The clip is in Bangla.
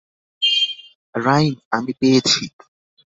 রাইম, আমি পেয়েছি।